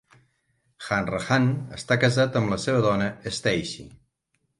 Hanrahan està casat amb la seva dona Stacey.